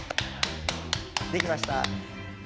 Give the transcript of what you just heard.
できました。